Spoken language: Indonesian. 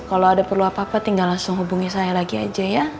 kalau ada perlu apa apa tinggal langsung hubungi saya lagi aja ya